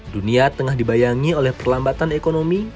dunia tengah dibayangi oleh perlambatan ekonomi